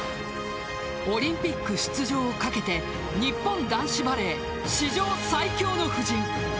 オリンピック出場を懸けて日本男子バレー史上最強の布陣。